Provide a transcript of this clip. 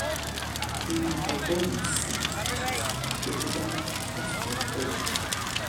Ты и при покойнице там соскучился, а теперь ты там с тоски пропадешь.